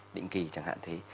định kỳ chẳng hạn thế